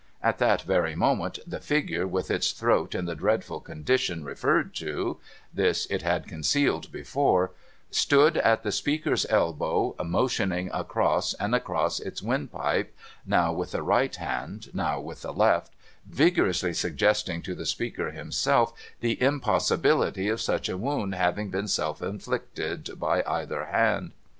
At that very moment, the figure, with its throat in the dreadful condition referred to (this it had concealed before), stood at the speaker's elbow, motioning across and across its windpipe, now with the right hand, now with the left, vigorously suggesting to the speaker himself the impossibility of such a wound having been self inflicted by either hand.